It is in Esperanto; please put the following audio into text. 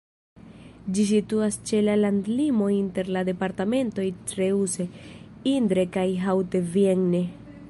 Ĝi situas ĉe la landlimo inter la departementoj Creuse, Indre kaj Haute-Vienne.